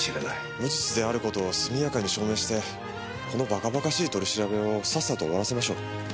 無実である事を速やかに証明してこの馬鹿馬鹿しい取り調べをさっさと終わらせましょう。